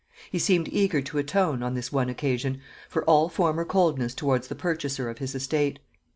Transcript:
He seemed eager to atone, on this one occasion, for all former coldness towards the purchaser of his estate.